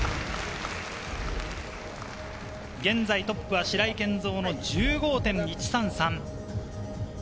現在トップは白井健三の１５．１３３。